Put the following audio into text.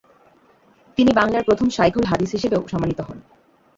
তিনি বাংলার প্রথম শায়খুল হাদিস হিসেবেও সম্মানিত হন।